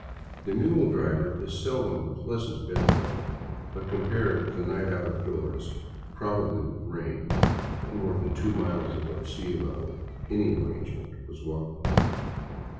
The mule driver is seldom a pleasant bed fellow, but compared with a night out of doors, probably with rain, at more than two miles above sea level, any arrangement was welcome.